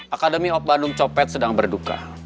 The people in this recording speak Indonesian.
akademi hop bandung copet sedang berduka